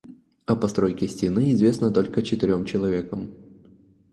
О постройке стены известно только четырём человекам.